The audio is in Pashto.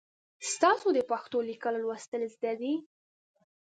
تاسو د پښتو لیکل او لوستل زده دي؟